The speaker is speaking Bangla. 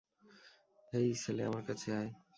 হেই, ছেলে, আমার কাছে আয়!